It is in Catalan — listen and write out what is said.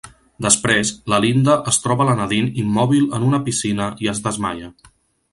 Després, la Linda es troba la Nadine immòbil en una piscina i es desmaia.